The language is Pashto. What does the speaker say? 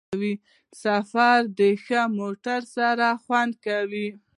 سفر د ښه موټر سره خوند کوي.